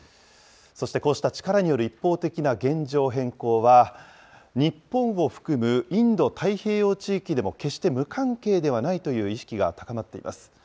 そしてこうした力による一方的な現状変更は日本を含むインド太平洋地域でも決して無関係ではないという意識が高まっています。